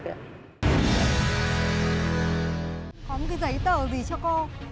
có một cái giấy tờ gì cho cô